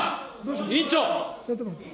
委員長。